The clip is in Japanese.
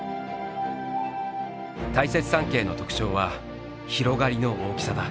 大雪山系の特徴は広がりの大きさだ。